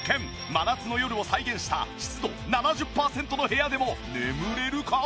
真夏の夜を再現した湿度７０パーセントの部屋でも眠れるか？